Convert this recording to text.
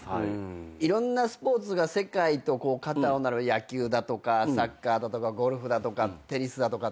いろんなスポーツが世界と肩を並べ野球だとかサッカーだとかゴルフだとかテニスだとかって。